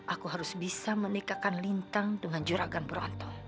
aku harus bisa menikahkan lintang dengan juragan purwanto